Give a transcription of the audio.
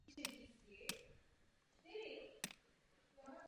V Evropě popisuje panovníka nejvyššího řádu.